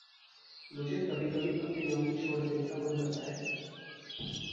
मुझे कभी-कभी अपनी नौकरी छोड़ देने का मन करता है।